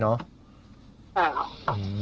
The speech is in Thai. ใช่